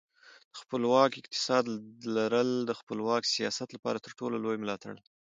د خپلواک اقتصاد لرل د خپلواک سیاست لپاره تر ټولو لوی ملاتړ دی.